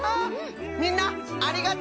みんなありがとのう！